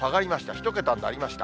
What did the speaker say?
１桁になりました。